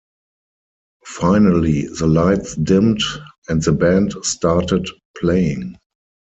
Finally, the lights dimmed and the band started playing.